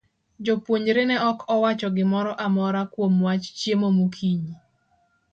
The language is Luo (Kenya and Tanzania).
Jopuonjre ne ok owacho gimoro amora kuom wach chiemo mokinyi.